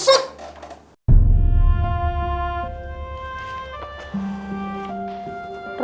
sampai jumpa lagi